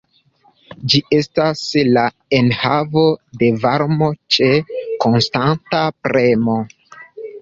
Ĝi estas la enhavo de varmo ĉe konstanta premo.